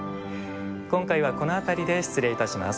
今回はこのあたりで失礼いたします。